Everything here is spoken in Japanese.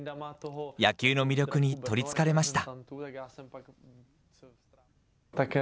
野球の魅力に取りつかれました。